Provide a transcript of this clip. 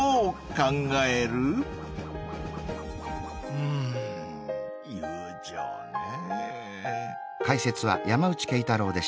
うん友情ねぇ。